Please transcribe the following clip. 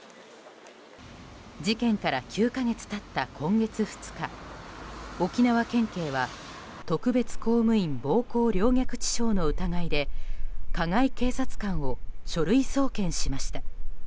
事件から９か月経った今月２日沖縄県警は特別公務員暴行陵虐致傷の疑いで加害警察官を書類送検しました。